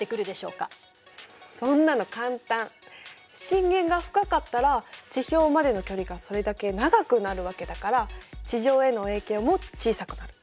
震源が深かったら地表までの距離がそれだけ長くなるわけだから地上への影響も小さくなる。